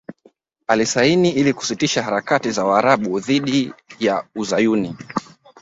Alisaini ili kusitisha harakati za Waarabu dhidi ya Uzayuni